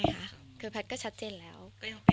แต่ไม่ทำหน้าที่ภรรยาแล้วเนอะ